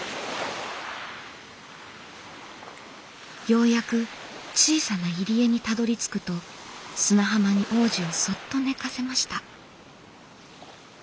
ようやく小さな入り江にたどりつくと砂浜に王子をそっと寝かせました。